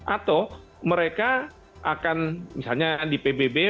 atau mereka akan misalnya di pbb